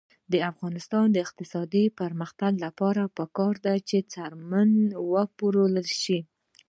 د افغانستان د اقتصادي پرمختګ لپاره پکار ده چې څرمن وپلورل شي.